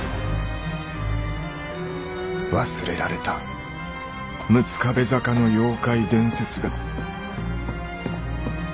忘れられた六壁坂の妖怪伝説が。